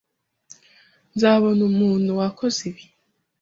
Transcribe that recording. Nzabona umuntu wakoze ibi.